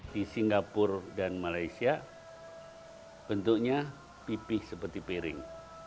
di singapura dan malaysia bentuknya pipih seperti piring